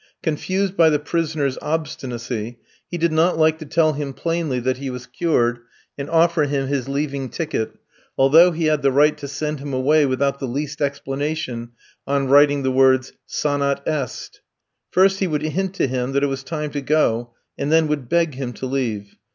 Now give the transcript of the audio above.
Confused by the prisoner's obstinacy, he did not like to tell him plainly that he was cured and offer him his leaving ticket, although he had the right to send him away without the least explanation on writing the words, sanat. est. First he would hint to him that it was time to go, and then would beg him to leave.